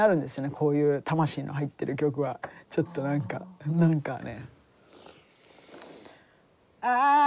こういう魂の入ってる曲はちょっと何か何かね。